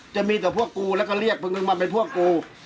จะมีแต่พวกกูแล้วก็เรียกมึงมาเป็นพวกกู